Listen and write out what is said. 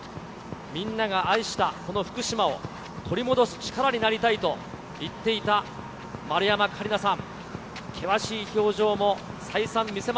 みんなが愛したこの福島を、取り戻す力になりたいと言っていた丸山桂里奈さん。